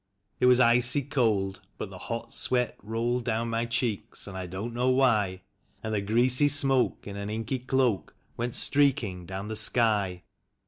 It was icy cold, but the hot sweat rolled down my cheeks, and I don't know why; And the greasy smoke in an inky cloak went streaking down the sky.